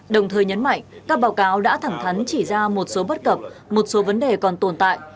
đồng thời nhấn mạnh các báo cáo đã thẳng thắn chỉ ra một số bất cập một số vấn đề còn tồn tại